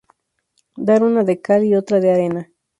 Dar una de cal y otra de arena